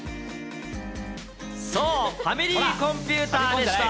そう、ファミリーコンピュータでした。